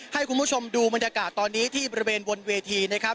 ให้คุณผู้ชมดูบรรยากาศตอนนี้ที่บริเวณบนเวทีนะครับ